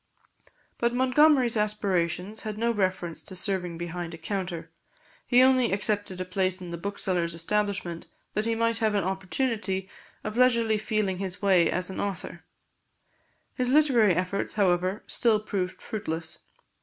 But Montgomery's aspirations had no reference to serving behind a counter; he only accepted a place in the bookseller's establishment that he might have an opportunity of leisurely feeling his way as an author. His literary efforts, however, still proved fruitless.